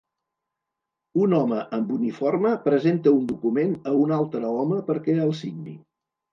Un home amb uniforme presenta un document a un altre home perquè el signi.